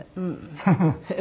フフフ。